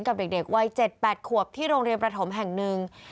กับเด็กวัย๗๘ขวบที่โรงเรียนประถมแห่งหนึ่ง